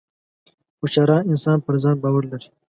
• هوښیار انسان پر ځان باور لري.